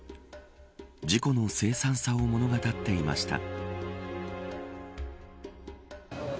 事故の凄惨さを物語っていました。